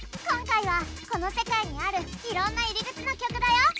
今回はこの世界にあるいろんな入り口の曲だよ。